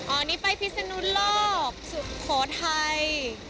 อันนี้ไปพิศนุโลกสุโขทัย